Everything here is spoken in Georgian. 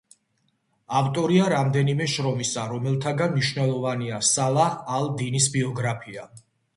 ავტორია რამდენიმე შრომისა, რომელთაგან მნიშვნელოვანი „სალაჰ ალ-დინის ბიოგრაფია“.